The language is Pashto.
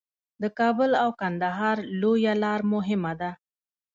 د کابل او کندهار لویه لار مهمه ده